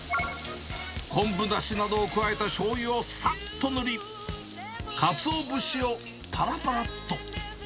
昆布だしなどを加えたしょうゆをさっと塗り、カツオ節をぱらぱらっと。